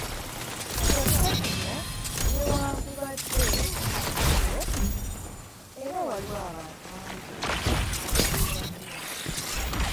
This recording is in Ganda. Kyokka kino newankubadde kiri kityo, era waliwo abantu bangi abatakiwagira.